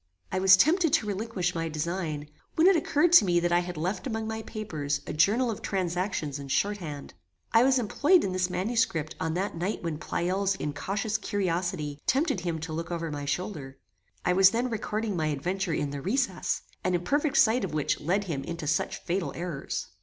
I was tempted to relinquish my design, when it occurred to me that I had left among my papers a journal of transactions in shorthand. I was employed in this manuscript on that night when Pleyel's incautious curiosity tempted him to look over my shoulder. I was then recording my adventure in THE RECESS, an imperfect sight of which led him into such fatal errors.